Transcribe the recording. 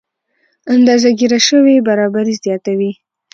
اندازه ګیره شوې برابري زیاتوي.